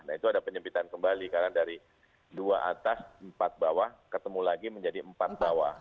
nah itu ada penyempitan kembali karena dari dua atas empat bawah ketemu lagi menjadi empat bawah